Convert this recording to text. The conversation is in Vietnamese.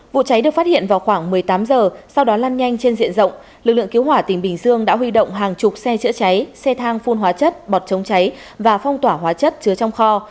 vụ cháy được phát hiện vào khoảng một mươi tám h sau đó lan nhanh trên diện rộng lực lượng cứu hỏa tỉnh bình dương đã huy động hàng chục xe chữa cháy xe thang phun hóa chất bọt chống cháy và phong tỏa hóa chất chứa trong kho